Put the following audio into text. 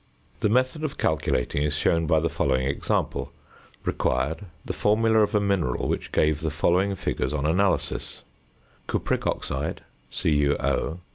The method of calculating is shown by the following example. Required the formula of a mineral which gave the following figures on analysis: Cupric oxide (CuO) 10.